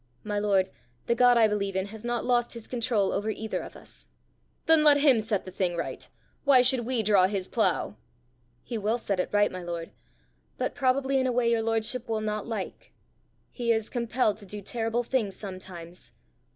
"My lord, the God I believe in has not lost his control over either of us." "Then let him set the thing right! Why should we draw his plough?" "He will set it right, my lord, but probably in a way your lordship will not like. He is compelled to do terrible things sometimes."